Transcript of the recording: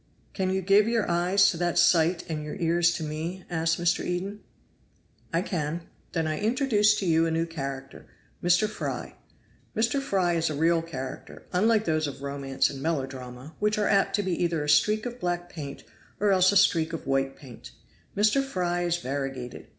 "Can you give your eyes to that sight and your ears to me?" asked Mr. Eden. "I can." "Then I introduce to you a new character Mr. Fry. Mr. Fry is a real character, unlike those of romance and melodrama, which are apt to be either a streak of black paint or else a streak of white paint. Mr. Fry is variegated.